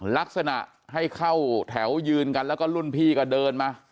ลักษณะให้เข้าแถวยืนกันแล้วก็รุ่นพี่ก็เดินมา